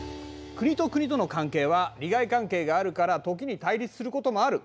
国と国との関係は利害関係があるから時に対立することもある。